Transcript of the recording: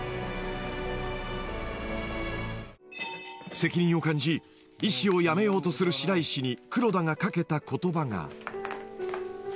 ［責任を感じ医師を辞めようとする白石に黒田が掛けた言葉が］